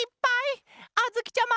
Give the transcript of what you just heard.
あづきちゃま！